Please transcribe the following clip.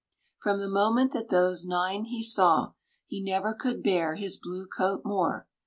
] From the moment that those Nine he saw, He never could bear his blue coat more.